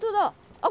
あっ！